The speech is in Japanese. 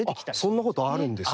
そんなことあるんですか？